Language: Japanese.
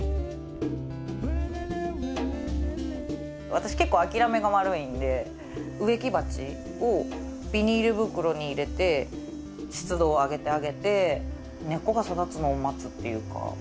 私結構諦めが悪いんで植木鉢をビニール袋に入れて湿度を上げてあげて根っこが育つのを待つっていうか